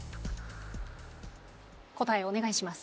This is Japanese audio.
答えお願いします。